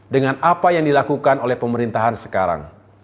dengan apa yang dilakukan oleh pemerintahan sekarang